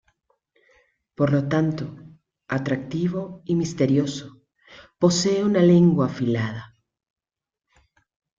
Por lo tanto, atractivo y misterioso, posee una lengua afilada.